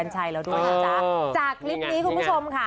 จากคลิปนี้คุณผู้ชมค่ะ